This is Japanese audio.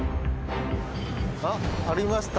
あっありました！